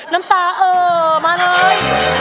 น้ำตาเอ่อมาเลย